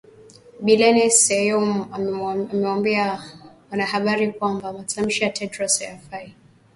Billene Seyoum amewaambia wanahabari kwamba matamshi ya Tedros hayafai